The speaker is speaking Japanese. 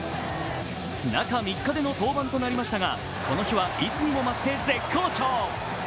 中３日での登板となりましたがこの日はいつにも増して絶好調。